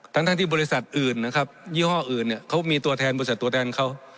ทั้งที่บริษัทอื่นนะครับยี่ห้ออื่นเนี่ยเขามีตัวแทนบริษัทตัวแทนเขา